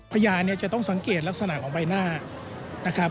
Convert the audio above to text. พยานเนี่ยจะต้องสังเกตลักษณะของใบหน้านะครับ